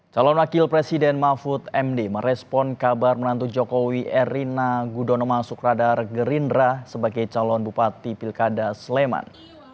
calon wakil presiden mahfud md merespon kabar menantu jokowi erina gudono masuk radar gerindra sebagai calon bupati pilkada sleman